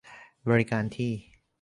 บริการที่